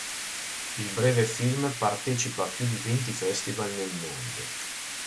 Il breve film partecipa a più di venti festival nel mondo.